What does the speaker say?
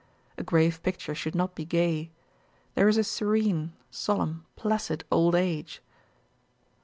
A grave picture should not be gay. There is a serene, solemn, placid old age.